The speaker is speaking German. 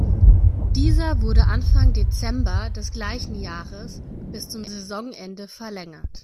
Dieser wurde Anfang Dezember des gleichen Jahres bis zum Saisonende verlängert.